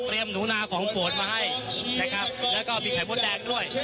เตรียมหนูนาของผมโปรดมาให้นะครับแล้วก็มีไขม้มดแดงด้วย